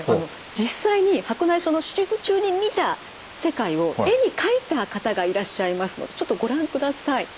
実際に白内障の手術中に見た世界を絵に描いた方がいらっしゃいますのでちょっとご覧ください。